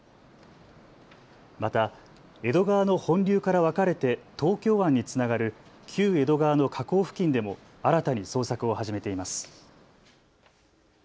また江戸川の本流から分かれて東京湾につながる旧江戸川の河口付近でも新たに捜索を始めています。